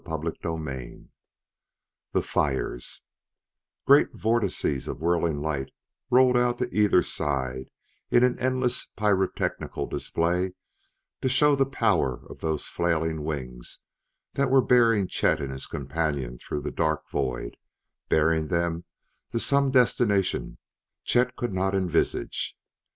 CHAPTER VIII The Fires Great vortices of whirling light rolled out to either side in an endless pyrotechnical display to show the power of those flailing wings that were bearing Chet and his companion through the dark void bearing them to some destination Chet could not envisage.